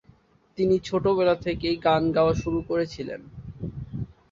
তিনি ছোটবেলা থেকেই গান গাওয়া শুরু করেছিলেন।